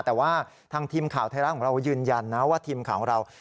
แต่ว่าทางทีมข่าวไทยรัฐของเรายืนยันนะว่าทีมข่าวของเรา